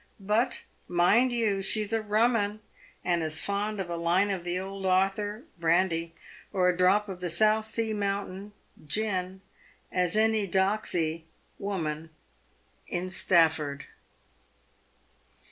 But, mind you, she's a rum 'un, and as fond of ' a line of the old author' (brandy), or a drop of the ' South Sea Mountain' (gin), as any ' doxy' (woman) in Stafford."